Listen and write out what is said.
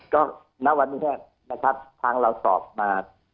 ก็ณวันนี้นะครับทางเราสอบมา